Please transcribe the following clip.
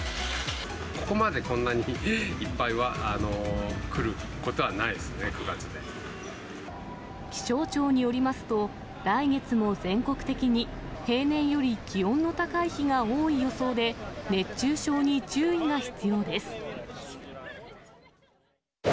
ここまでこんなにいっぱい来気象庁によりますと、来月も全国的に平年より気温の高い日が多い予想で、熱中症に注意が必要です。